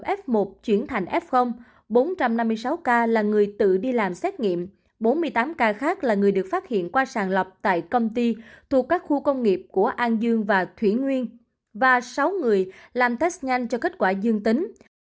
f một chuyển thành f bốn trăm năm mươi sáu ca là người tự đi làm xét nghiệm bốn mươi tám ca khác là người được phát hiện qua sàng lọc tại công ty thuộc các khu công nghiệp của an dương và thủy nguyên và sáu người làm test nhanh cho kết quả dương tính